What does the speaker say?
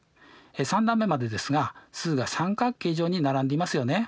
３段目までですが数が三角形状に並んでいますよね。